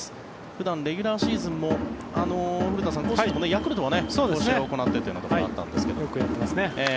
普段レギュラーシーズンも古田さん、ヤクルトは試合を行っているというところがあるんですが。